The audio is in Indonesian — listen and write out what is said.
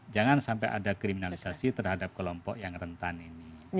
jangan sampai ada kriminalisasi terhadap kelompok yang rentan ini